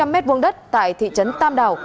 ba bốn trăm linh m hai đất tại thị trấn tam đào